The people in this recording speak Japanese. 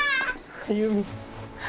歩。